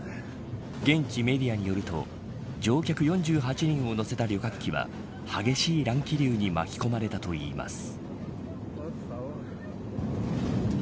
現地メディアによると乗客４８人を乗せた旅客機は激しい乱気流に巻き込まれたといいます。